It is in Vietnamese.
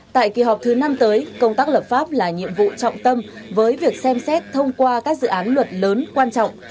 tại kỳ họp thứ năm tới công tác lập pháp là nhiệm vụ trọng tâm với việc xem xét thông qua các dự án luật lớn quan trọng